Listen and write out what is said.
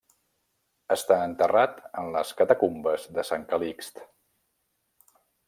Està enterrat en les catacumbes de Sant Calixt.